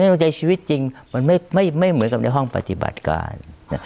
หัวใจชีวิตจริงมันไม่เหมือนกับในห้องปฏิบัติการ